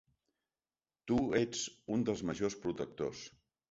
Tu ets un dels majors protectors.